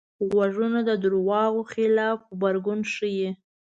غوږونه د دروغو خلاف غبرګون ښيي